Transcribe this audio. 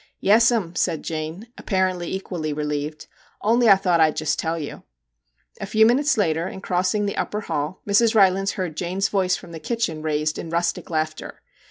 ' Yes 'm,' said Jane, apparently equally re lieved. ' Only I thought I 'd just tell you/ A few minutes later, in crossing the upper hall, Mrs. Rylands heard Jane's voice from the kitchen raised in rustic laughter.